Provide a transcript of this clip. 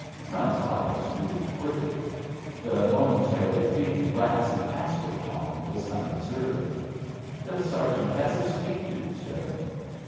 "Crumbs's" eyes moved quickly. The momentary, fleeting glance he cast at John was unobserved. "The sergeant has a sweet tooth, sir."